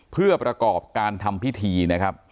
เพื่อประกอบการทำพิธีนะครับ